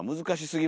難しい。